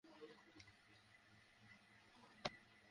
যখন বুঝতে পারেন লঞ্চটি ডুবে যাচ্ছে, তখন স্ত্রী-সন্তানসহ নদীতে ঝাঁপ দেন।